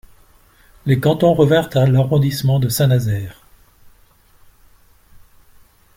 Les cantons revinrent à l'arrondissement de Saint-Nazaire.